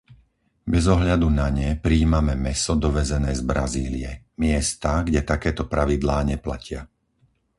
Bez ohľadu na ne prijímame mäso dovezené z Brazílie - miesta, kde takéto pravidlá neplatia.